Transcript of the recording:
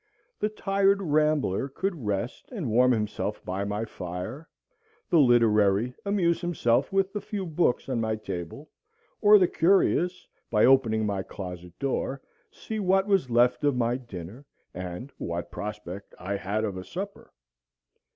The tired rambler could rest and warm himself by my fire, the literary amuse himself with the few books on my table, or the curious, by opening my closet door, see what was left of my dinner, and what prospect I had of a supper.